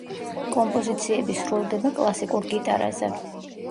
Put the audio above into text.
კომპოზიციები სრულდება კლასიკურ გიტარაზე.